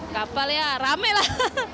kapal ya rame lah